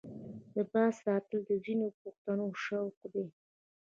د باز ساتل د ځینو پښتنو شوق دی.